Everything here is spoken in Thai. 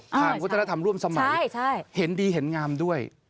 ทางวัฒนธรรมร่วมสมัยเห็นดีเห็นงามด้วย